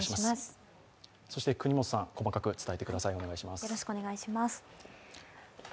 そして國本さん、細かく伝えてください。